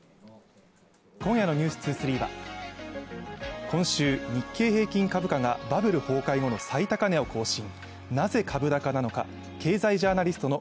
今夜の「ｎｅｗｓ２３」は今週、日経平均株価がバブル崩壊後の最高値を更新。